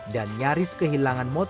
dan nyaris kehilangan kemampuan